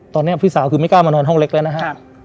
ตอนนี้พี่สาวคือไม่กล้ามานอนห้องเล็กแล้วนะครับ